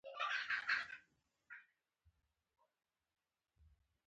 ښه عمل د ټولنې لپاره ګټور دی.